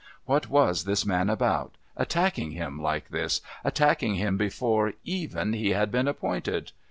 What was this man about, attacking him like this, attacking him before, even, he had been appointed?